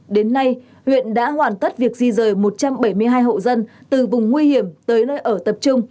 đến nay huyện đã hoàn tất việc di rời một trăm bảy mươi hai hộ dân từ vùng nguy hiểm tới nơi ở tập trung